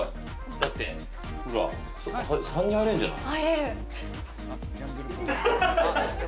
だってほら、３人入れるんじゃない？